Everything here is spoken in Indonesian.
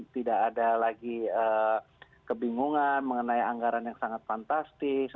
tidak ada lagi kebingungan mengenai anggaran yang sangat fantastis